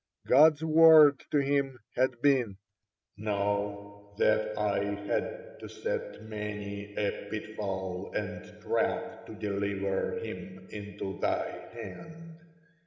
God's word to him had been: "Know that I had to set many a pitfall and trap to deliver him into thy hand.